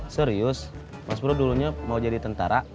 serius mas bro dulunya mau jadi tentara